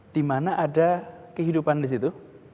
dimana ada kehidupan di situ